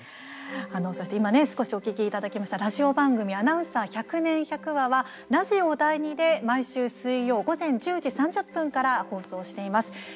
そして今、少しお聞きいただきましたラジオ番組「アナウンサー百年百話」はラジオ第２で、毎週水曜午前１０時３０分から放送しています。